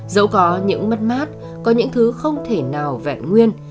dẫu có những mất mát có những thứ không thể nào vẹn nguyên